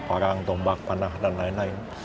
orang tombak panah dan lain lain